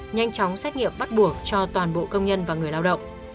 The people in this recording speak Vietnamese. nhanh chóng xét nghiệm bắt buộc cho toàn bộ công nhân và người lao động